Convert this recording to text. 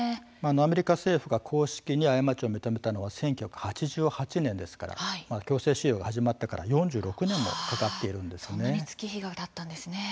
アメリカ政府が公式に過ちを認めたのは１９８８年ですから強制収容が始まってからそんなに月日がたったんですね。